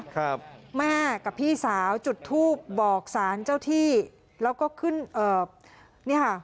ครับแม่กับพี่สาวจุดทูบบอกสารเจ้าที่แล้วก็ขึ้นเอ่อเนี่ยค่ะ